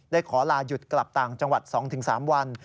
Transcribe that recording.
ขอลาหยุดกลับต่างจังหวัด๒๓วัน